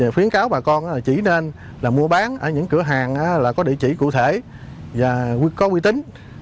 khuyến cáo bà con chỉ nên mua bán ở những cửa hàng là có địa chỉ cụ thể và có quy tính